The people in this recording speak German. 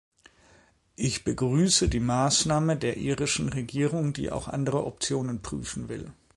Ich begrüße die Maßnahme der irischen Regierung, die auch andere Optionen prüfen will.